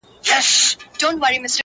• جادوگري جادوگر دي اموخته کړم،